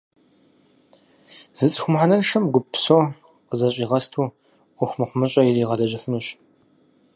Зы цӏыху мыхьэнэншэм гуп псо къызэщӀигъэсту, Ӏуэху мыхъумыщӀэ иригъэлэжьыфынущ.